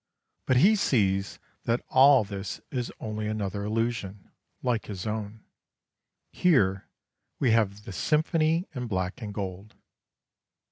But he sees that all this is only another illusion, like his own. Here we have the "Symphony in Black and Gold."